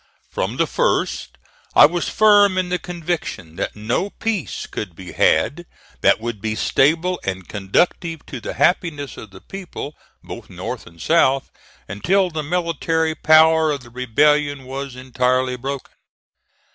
From the first, I was firm in the conviction that no peace could be had that would be stable and conducive to the happiness of the people, both North and South, until the military power of the rebellion was entirely broken.